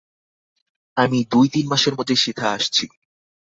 আমি দুই-তিন মাসের মধ্যে সেথা আসছি।